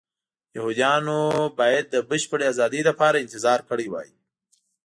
یهودیانو باید د بشپړې ازادۍ لپاره انتظار کړی وای.